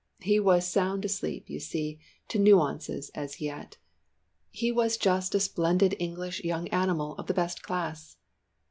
He was sound asleep, you see, to nuances as yet; he was just a splendid English young animal of the best class.